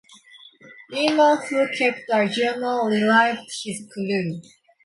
Leeman, who kept a journal, rallied his crew.